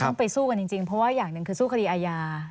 ต้องไปสู้กันจริงเพราะว่าอย่างหนึ่งคือสู้คดีอาญา